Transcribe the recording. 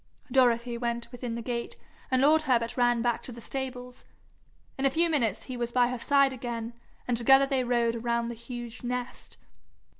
Dorothy went within the gate, and lord Herbert ran back to the stables. In a few minutes he was by her side again, and together they rode around the huge nest.